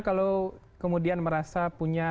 kalau kemudian merasa punya